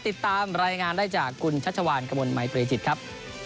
ติดตามรายงานได้จากคุณชัชวานกระมวลมัยตรีจิตครับ